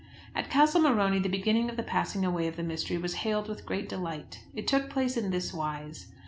At Castle Morony the beginning of the passing away of the mystery was hailed with great delight. It took place in this wise.